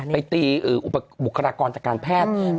ไปตีบุคลากรจากการแพทย์